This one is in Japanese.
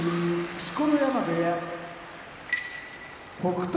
錣山部屋北勝